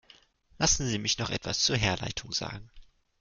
Lassen Sie mich noch etwas zur Herleitung sagen.